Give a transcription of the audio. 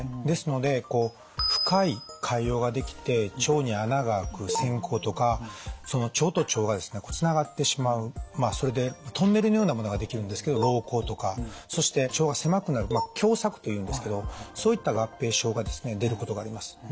ですのでこう深い潰瘍ができて腸に穴があく穿孔とかその腸と腸がですねつながってしまうそれでトンネルのようなものができるんですけど瘻孔とかそして腸が狭くなる狭窄というんですけどそういった合併症がですね出ることがあります。